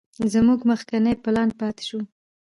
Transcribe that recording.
زموږ مخکينى پلان پاته سو.